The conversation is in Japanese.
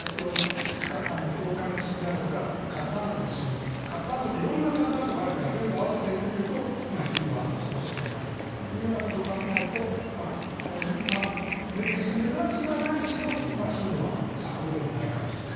境界の地震であるとか活断層の地震活断層も色んな活断層があるから全部合わせて見ると頻度はそこそこになるということを考えると決して珍しくはないにしろ頻度はさほどでもないかもしれない。